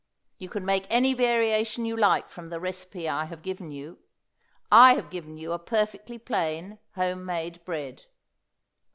You can make any variation you like from the recipe I have given you. I have given you a perfectly plain home made bread.